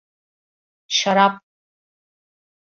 Şarap!